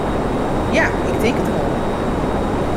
Ja, ik tink it wol.